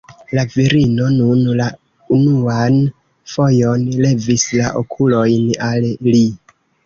La virino nun la unuan fojon levis la okulojn al li.